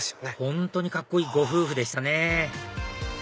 本当にカッコいいご夫婦でしたね